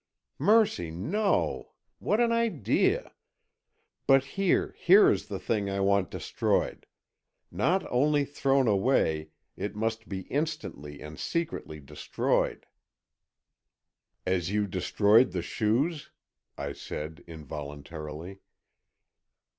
"Mercy, no! What an idea. But here, here is the thing I want destroyed. Not only thrown away, it must be instantly and secretly destroyed." "As you destroyed the shoes," I said, involuntarily.